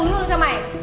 mày không ứng cho mày